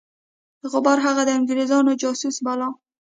غبار هغه د انګرېزانو جاسوس باله.